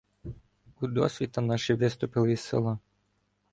Удосвіта наші виступили із села.